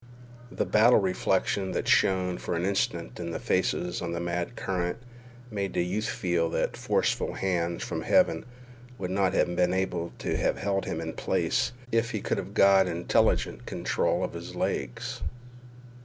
The battle reflection that shone for an instant in the faces on the mad current made the youth feel that forceful hands from heaven would not have been able to have held him in place if he could have got intelligent control of his legs.